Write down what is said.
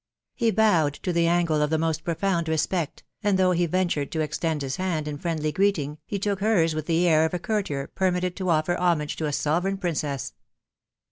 He bowed to the angle of the most profound respect, and though he ventured to extend his hand in friendly greet ing, he took hers with the air of a courtier permitted to offer homage to a sovereign princess.